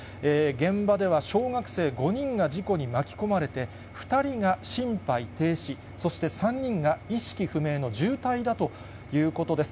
現場では小学生５人が事故に巻き込まれて、２人が心肺停止、そして３人が意識不明の重体だということです。